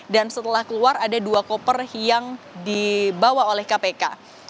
dan setelah keluar ada dua koper yang dibawa oleh kpk